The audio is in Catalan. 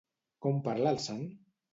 Com parla el sant?